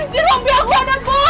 dia mau biar aku ada bom